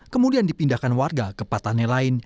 kemudian dipindahkan warga ke patahnya lain